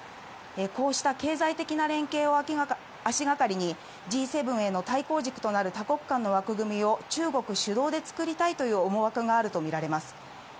こうした経済的な連携を足がかりに、Ｇ７への対抗軸となる多国間の枠組みを中国主導で作りたいという思惑があると見られます。